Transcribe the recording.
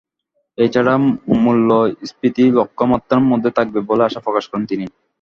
এ ছাড়া মূল্যস্ফীতি লক্ষ্যমাত্রার মধ্যে থাকবে বলে আশা প্রকাশ করেন তিনি।